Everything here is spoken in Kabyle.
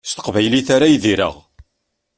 S teqbaylit ara idireɣ.